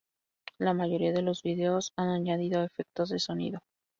La mayoría de los videos han añadido efectos de sonido.